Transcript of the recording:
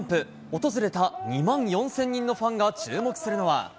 訪れた２万４０００人のファンが注目するのは。